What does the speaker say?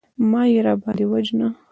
مه يې راباندې وژنه.